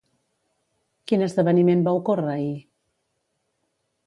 Quin esdeveniment va ocórrer ahir?